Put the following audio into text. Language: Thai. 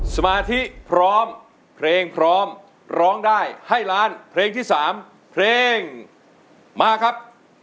สมาธิพร้อมเพลงพร้อมร้องได้ให้ล้านเพลงที่๓เพลงมาครับ